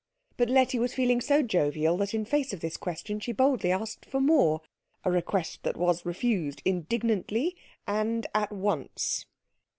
But Letty was feeling so jovial that in the face of this question she boldly asked for more a request that was refused indignantly and at once.